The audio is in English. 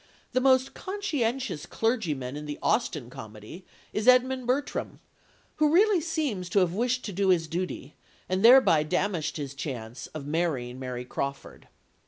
The most conscientious clergyman in the Austen Comedy is Edmund Bertram, who really seems to have wished to do his duty, and thereby damaged his chance of marrying Mary Crawford.